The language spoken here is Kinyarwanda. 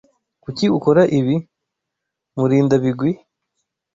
Kuki ukora ibi, Murindabigwi?